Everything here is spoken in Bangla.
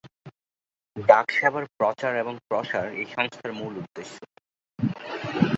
ডাক সেবার প্রচার এবং প্রসার এই সংস্থার মূল উদ্দেশ্য।